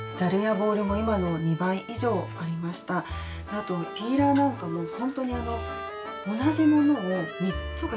あとピーラーなんかもほんとにあのなるほど。